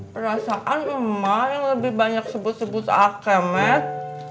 perasaan emah yang lebih banyak sebut sebut akemet